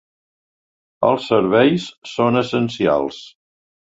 Els serveis són essencials.